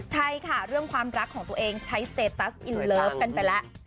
ใช่ค่ะเรื่องความรักของตัวเองใช้สเตตัสอินเลิฟกันไปแล้ว